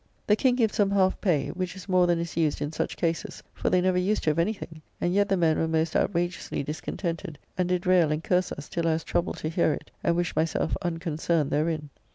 The King gives them half pay, which is more than is used in such cases, for they never used to have any thing, and yet the men were most outrageously discontented, and did rail and curse us till I was troubled to hear it, and wished myself unconcerned therein.